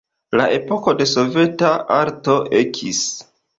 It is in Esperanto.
La epoko de soveta arto ekis.